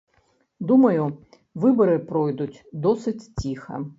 Думаю, выбары пройдуць досыць ціха.